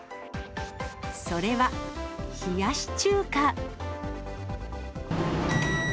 それは冷やし中華。